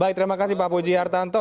baik terima kasih pak buji yartanto